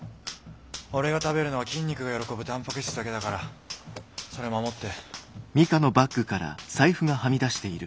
オレが食べるのは筋肉が喜ぶタンパク質だけだからそれ守って。